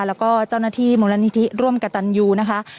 แล้วก็เจ้าหน้าที่มูลนิธิร่วมกับตันยูนะคะ